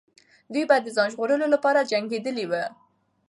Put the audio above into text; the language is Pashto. دوی به د ځان ژغورلو لپاره جنګېدلې وو.